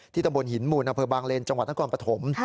ตำบลหินมูลอำเภอบางเลนจังหวัดนครปฐม